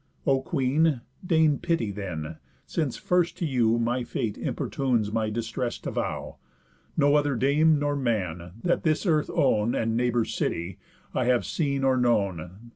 O queen, deign pity then, since first to you My fate importunes my distress to vow. No other dame, nor man, that this Earth own, And neighbour city, I have seen or known.